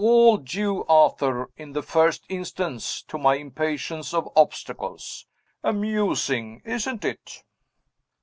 All due, Arthur, in the first instance, to my impatience of obstacles. Amusing, isn't it?"